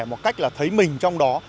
một cách là thấy mình trong đó